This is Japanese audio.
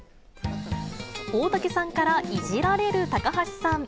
大竹さんからいじられる高橋さん。